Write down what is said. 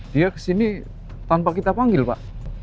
dia kesini tanpa kita panggil pak